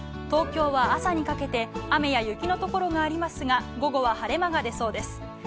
東京は、朝にかけて雨や雪のところがありますが午後は晴れ間が出そうです。